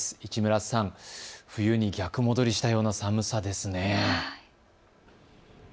市村さん、冬に逆戻りしたような寒さですね。